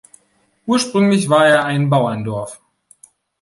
Ursprünglich war er ein Bauerndorf.